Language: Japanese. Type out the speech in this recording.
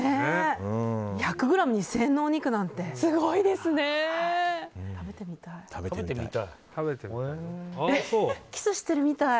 １００ｇ２０００円のお肉なんて食べてみたい。